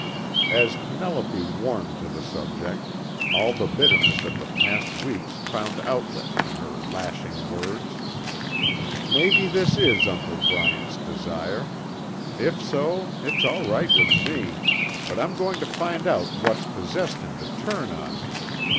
As Penelope warmed to the subject, all the bitterness of the past weeks found outlet in her lashing words. "Maybe this is Uncle Bryant's desire. If so, it's all right with me, but I'm going to find out what's possessed him to turn on me.